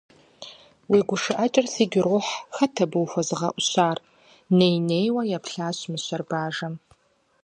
Уи гуэшыкӏэр сигу ирохь, хэт абы ухуэзыгъэӏущар? - ней-нейуэ еплъащ мыщэр бажэм.